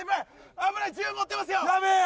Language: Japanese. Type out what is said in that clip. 危ない銃持ってますよやべえ！